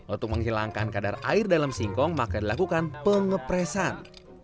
untuk menghilangkan kadar air dalam singkong maka dilakukan pengepresan